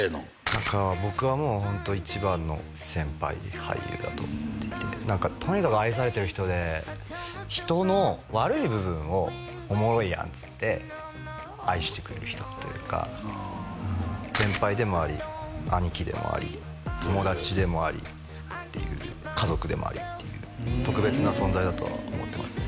仲は僕はもうホント一番の先輩俳優だと思っていて何かとにかく愛されてる人で人の悪い部分を「おもろいやん」っつって愛してくれる人っていうかあ先輩でもあり兄貴でもあり友達でもありっていう家族でもありっていう特別な存在だとは思ってますね